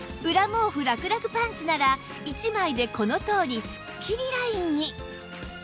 裏毛布らくらくパンツなら１枚でこのとおりスッキリラインに